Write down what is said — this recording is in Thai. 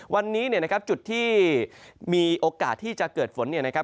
วันนี้เนี่ยนะครับจุดที่มีโอกาสที่จะเกิดฝนเนี่ยนะครับ